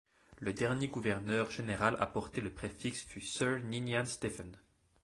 Le dernier gouverneur général à porter le préfixe fut Sir Ninian Stephen.